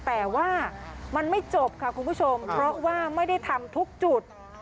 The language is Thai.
แต่ว่ามันไม่จบค่ะคุณผู้ชมเพราะว่าไม่ได้ทำทุกจุด